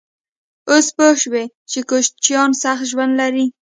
_اوس پوه شوې چې کوچيان سخت ژوند لري؟